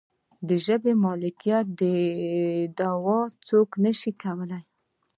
د ژبې د مالکیت دعوه څوک نشي کولی.